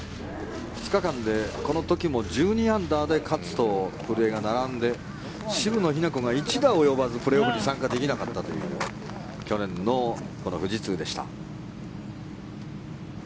２日間でこの時も１２アンダーで勝と古江が並んで渋野日向子が１打及ばずプレーオフに参加できなかったという去年のこの富士通でした。